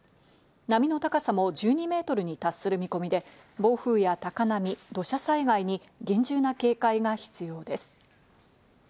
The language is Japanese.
波の高さも１２メートルに達する見込みで暴風や高波、土砂災害に厳重な警戒が必要です。